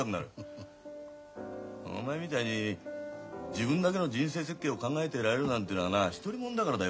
お前みたいに自分だけの人生設計を考えてられるなんていうのはな独りもんだからだよ。